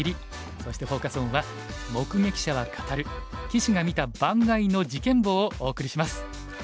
そしてフォーカス・オンは「目撃者は語る棋士が見た盤外の事件簿」をお送りします。